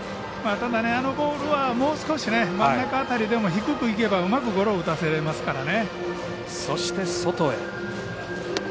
ただあのボールは真ん中辺りでも低くいけばうまくゴロを打たせられますからね。